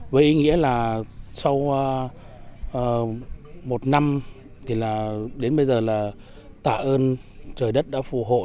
với ý nghĩa là sau một năm thì là đến bây giờ là tạ ơn trời đất đã phù hộ